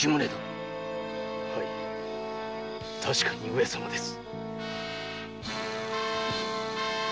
はい確かに上様です。